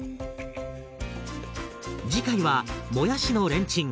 次回はもやしのレンチン。